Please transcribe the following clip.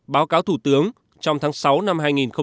báo cáo thủ tướng trong tháng sáu năm hai nghìn một mươi chín